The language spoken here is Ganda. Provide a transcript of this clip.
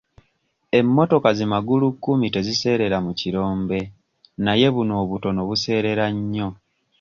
Emmotoka zi magulukkumi teziseerera mu kirombe naye buno obutono buseerera nnyo.